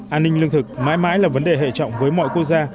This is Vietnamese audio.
an ninh lương thực mãi mãi là vấn đề hệ trọng với mọi quốc gia